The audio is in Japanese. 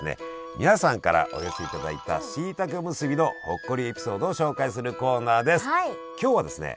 皆さんからお寄せいただいたしいたけおむすびのほっこりエピソードを紹介するコーナーです！